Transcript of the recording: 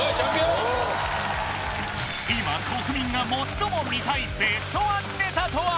おお今国民が最も見たいベストワンネタとは？